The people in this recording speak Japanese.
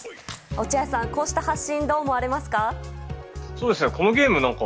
落合さん、こうした発信どう思われますか？